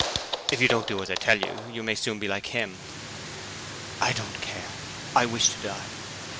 "If you don't do as I tell you you may soon be like him." "I don't care. I wish to die."